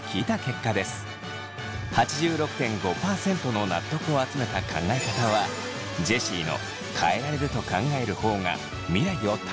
８６．５％の納得を集めた考え方はジェシーの「変えられると考える方が未来を楽しめるから」。